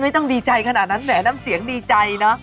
ต้องดีใจขนาดนั้นแหมน้ำเสียงดีใจนะ